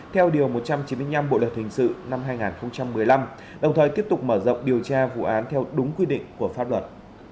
theo điều một trăm chín mươi năm bộ luật hình sự năm hai nghìn một mươi năm đồng thời tiếp tục mở rộng điều tra vụ án theo đúng quy định của pháp luật